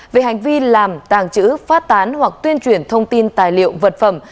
về hành vi làm tàng trữ phát tán hoặc tuyên truyền thông tin tài liệu vật phẩm